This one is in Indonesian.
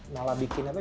malah bikin apa